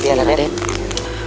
saya harus pergi ke istana ini